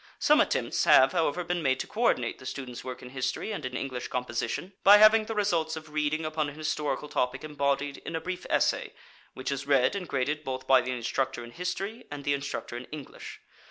Some attempts have, however, been made to coördinate the student's work in history and in English composition by having the results of reading upon an historical topic embodied in a brief essay which is read and graded both by the instructor in history and the instructor in English.